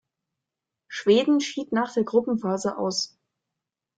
Schweden schied nach der Gruppenphase aus.